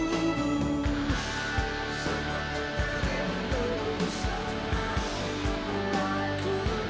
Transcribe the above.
yang manis dalam silapku